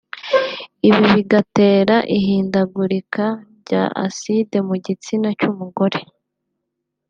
ibi bigatera ihindagurika rya acide mu gitsina cy’umugore